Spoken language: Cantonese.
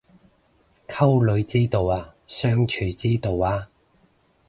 溝女之道啊相處之道啊